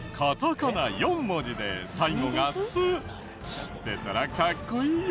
知ってたらかっこいいよ！